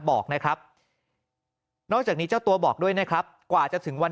บอกนะครับนอกจากนี้เจ้าตัวบอกด้วยนะครับกว่าจะถึงวัน